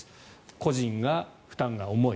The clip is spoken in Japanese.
個人が負担が重い。